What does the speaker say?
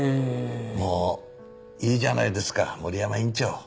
もういいじゃないですか森山院長。